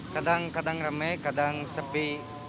kadang kadang ramai kadang sepi